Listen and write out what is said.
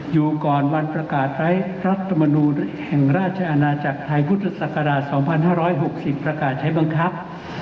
อยู่ก่อนวันประกาศไร้รัฐมนูลแห่งราชอาณาจักรไทยพุทธศักราช๒๕๖๐ประกาศใช้บังคับ